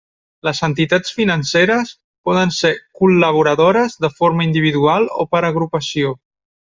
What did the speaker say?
Les entitats financeres poden ser col·laboradores de forma individual o per agrupació.